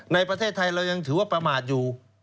ในประเทศไทยเรายังถือว่าประมาทอยู่